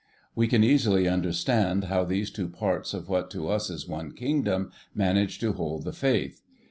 We can easily understand how these two parts of what to us is one Kingdom, managed to hold the Faith.